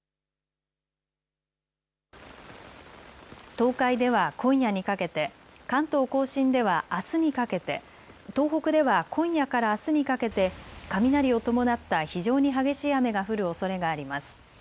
東海では今夜にかけて関東甲信ではあすにかけて東北では今夜からあすにかけて雷を伴った非常に激しい雨が降るおそれがあります。